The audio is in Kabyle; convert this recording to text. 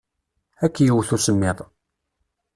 Ad k-yewwet usemmiḍ.